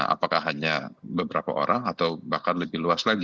apakah hanya beberapa orang atau bahkan lebih luas lagi